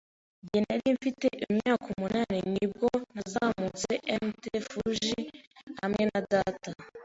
Igihe nari mfite imyaka umunani, ni bwo nazamutse Mt. Fuji hamwe na data.